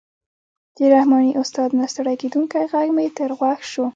د رحماني استاد نه ستړی کېدونکی غږ مې تر غوږ شو.